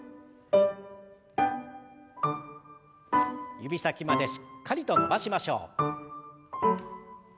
指先までしっかりと伸ばしましょう。